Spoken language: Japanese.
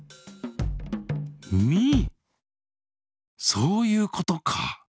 そういうことか！